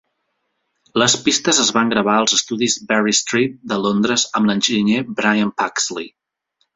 Les pistes es van gravar als estudis Berry Street de Londres amb l'enginyer Brian Pugsley.